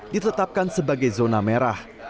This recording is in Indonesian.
ditetapkan sebagai zona merah